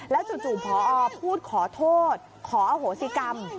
แล้วจู่ผอพูดขอโทษขอโหสิกรรม